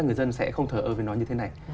người dân sẽ không thờ ơ về nó như thế này